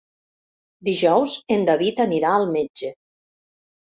Dijous en David anirà al metge.